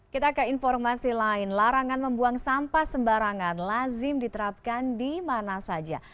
kita ke informasi lain larangan membuang sampah sembarangan lazim diterapkan di mana saja